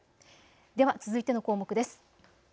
では続いての項目です。